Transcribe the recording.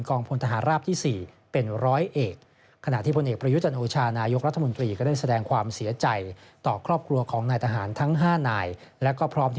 กองพลตะหารราบที่๔เป็นพลโท